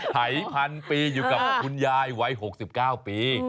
หายพันปีอยู่กับคุณยายวัย๖๙ปี